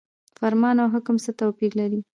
فرمان او حکم څه توپیر لري؟